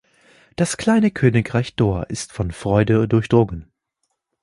Das kleine Königreich Dor ist von Freude durchdrungen.